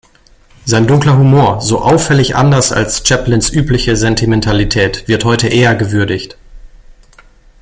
Sein dunkler Humor, so auffällig anders als Chaplins übliche Sentimentalität, wird heute eher gewürdigt.